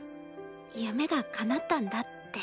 夢がかなったんだって。